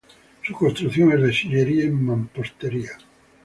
Su construcción es de sillería y mampostería.